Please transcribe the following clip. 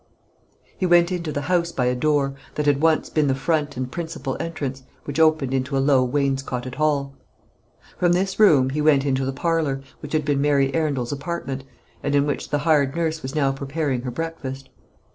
He went into the house by a door, that had once been the front and principal entrance, which opened into a low wainscoted hall. From this room he went into the parlour, which had been Mary Arundel's apartment, and in which the hired nurse was now preparing her breakfast.